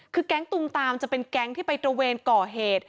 คือแก๊งตุงตามจะเป็นแก๊งที่ไปตระเวนก่อเหตุ